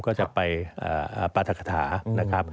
ก็จะไปปรัฐคาถา